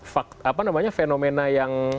fakta apa namanya fenomena yang